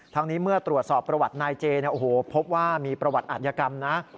ทั้งนี้เมื่อตรวจสอบประวัตินายเจพบว่ามีประวัติอาทยากรรมนะ